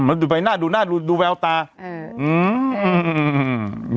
มันดูไปหน้าดูหน้าดูดูแววตาอืมอืมอืมอืม